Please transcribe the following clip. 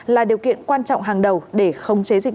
là điều kiện quan trọng hàng đầu để không chế dịch bệnh